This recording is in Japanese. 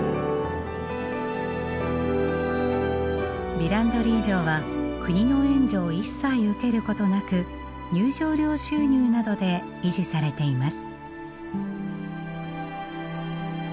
ヴィランドリー城は国の援助を一切受けることなく入場料収入などで維持されています。